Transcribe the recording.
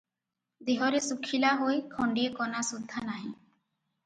ଦେହରେ ଶୁଖିଲା ହୋଇ ଖଣ୍ଡିଏ କନା ସୁଦ୍ଧା ନାହିଁ ।